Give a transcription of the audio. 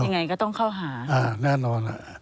ยังไงก็ต้องเข้าหาอ่าแน่นอนอ่ะ